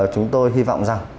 chúng tôi hy vọng rằng